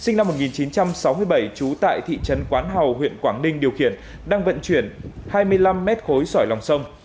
sinh năm một nghìn chín trăm sáu mươi bảy trú tại thị trấn quán hào huyện quảng ninh điều khiển đang vận chuyển hai mươi năm m khối sỏi lòng sông